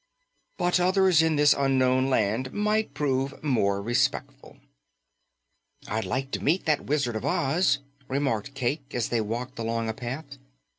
But others in this unknown land might prove more respectful. "I'd like to meet that Wizard of Oz," remarked Cayke as they walked along a path.